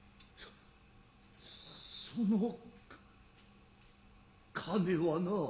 その金はな。